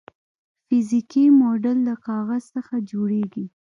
فزیکي موډل د کاغذ څخه جوړیږي.